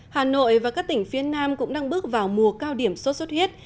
hà nội và các tỉnh phía nam cũng đang bước vào mùa cao điểm sốt xuất huyết